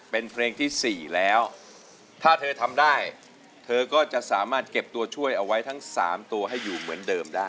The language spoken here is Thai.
เป็นเพลงที่๔แล้วถ้าเธอทำได้เธอก็จะสามารถเก็บตัวช่วยเอาไว้ทั้ง๓ตัวให้อยู่เหมือนเดิมได้